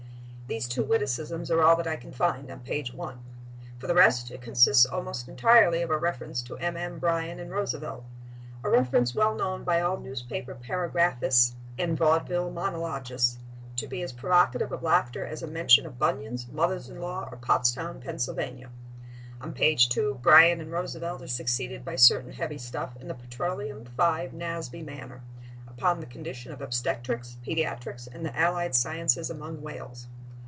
These two witticisms are all that I can find on page 1. For the rest, it consists almost entirely of a reference to MM. Bryan and Roosevelt—a reference well known by all newspaper paragraphists and vaudeville monologists to be as provocative of laughter as a mention of bunions, mothers in law or Pottstown, Pa. On page 2 Bryan and Roosevelt are succeeded by certain heavy stuff in the Petroleum V. Nasby manner upon the condition of obstetrics, pediatrics and the allied sciences among whales.